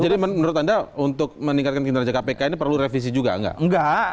jadi menurut anda untuk meningkatkan kinerja kpk ini perlu revisi juga enggak